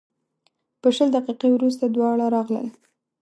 په شل دقیقې وروسته دواړه راغلل.